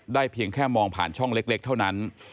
เพียงแค่มองผ่านช่องเล็กเท่านั้น